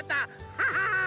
ハハハ！